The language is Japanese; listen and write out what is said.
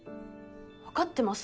わかってます。